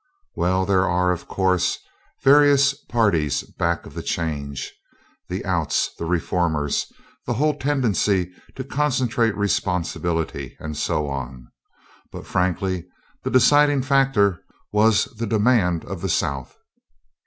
"Well, there are, of course, various parties back of the change: the 'outs,' the reformers, the whole tendency to concentrate responsibility, and so on. But, frankly, the deciding factor was the demand of the South."